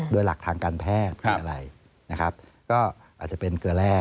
โดยหลักทางการแพทย์คืออะไรนะครับก็อาจจะเป็นเกลือแร่